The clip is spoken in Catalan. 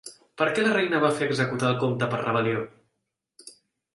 Per què la reina va fer executar el comte per rebel·lió?